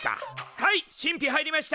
はい神秘入りました！